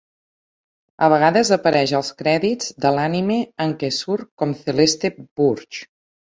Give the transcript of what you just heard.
A vegades apareix als crèdits de l'anime en què surt com Celeste Burch.